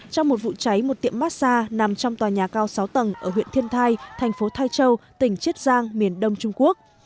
trong một vụ cháy một tiệm massa nằm trong tòa nhà cao sáu tầng ở huyện thiên thai thành phố thái châu tỉnh chiết giang miền đông trung quốc